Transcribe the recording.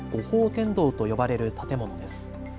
天堂と呼ばれる建物です。